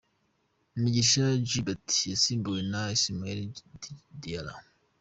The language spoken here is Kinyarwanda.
Mugisha Gilbert yasimbuwe na Ismaila Diarra .